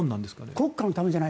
国家のためじゃない。